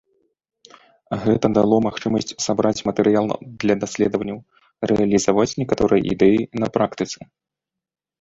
Гэта дало магчымасць сабраць матэрыял для даследаванняў, рэалізаваць некаторыя ідэі на практыцы.